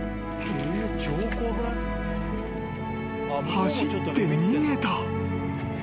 ［走って逃げた］